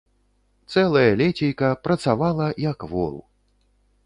Цэлае лецейка працавала як вол.